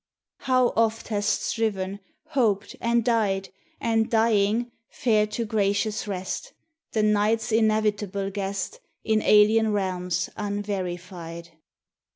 How oft hast striven, hoped, and died, And dying, fared to gracious rest, The Night's inevitable guest, In alien realms unverified!